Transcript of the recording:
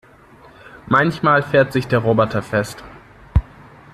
Manchmal fährt sich der Roboter fest.